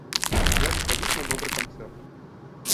Як схадзіць на добры канцэрт.